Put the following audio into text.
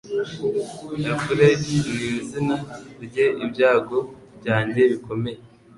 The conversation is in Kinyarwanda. Eurypyle ni izina rye ibyago byanjye bikomeye